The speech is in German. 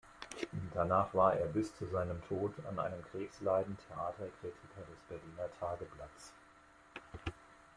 Danach war er bis zu seinem Tod an einem Krebsleiden Theaterkritiker des Berliner Tageblatts.